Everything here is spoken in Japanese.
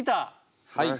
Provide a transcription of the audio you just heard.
はい。